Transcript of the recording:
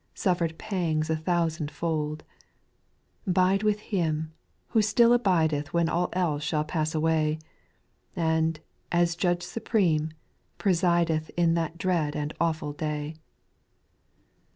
Suffered pangs a thousand fold : •Bide with Him, who still abideth When all else shall pass away. And, as Judge supreme, prcsideth In that dread and awful day.